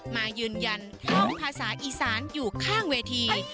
มายืนยันท่องภาษาอีสานอยู่ข้างเวที